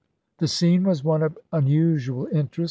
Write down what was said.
The scene was one of un usual interest.